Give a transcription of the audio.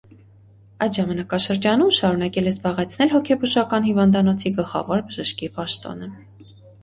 Այդ ժամանակաշրջանում շարունակել է զբաղեցնել հոգեբուժական հիվանդանոցի գլխավոր բժշկի պաշտոնը։